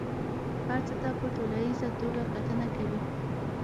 هر څه ته په ټوليزه توګه کتنه کوي.